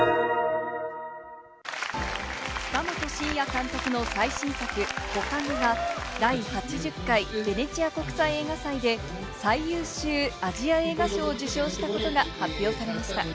塚本晋也監督の最新作『ほかげ』が第８０回ベネチア国際映画祭で、最優秀アジア映画賞を受賞したことが発表されました。